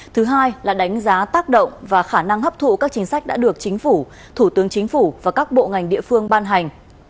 thứ hai là đánh giá tác động và khả năng hấp thụ các chính sách đã được chính phủ thủ tướng chính phủ và các bộ ngành địa phương ban hành